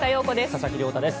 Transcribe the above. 佐々木亮太です。